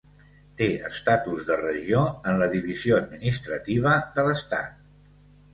Té estatus de regió en la divisió administrativa de l'estat.